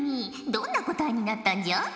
どんな答えになったんじゃ？